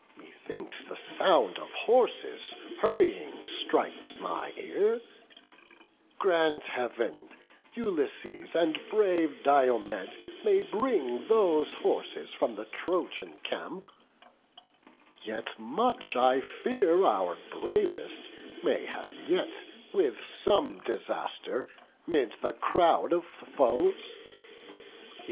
methinks The sound of horses, hurrying, strikes mine ear; Grant Heav'n, Ulysses and brave Diomed May bring those horses from the Trojan camp; Yet much I fear our bravest may have met With some disaster 'mid the crowd of foes."